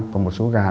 còn một số gà